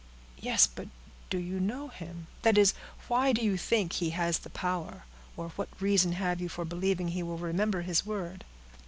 "Yes—but do you know him? That is—why do you think he has the power? Or what reason have you for believing he will remember his word?"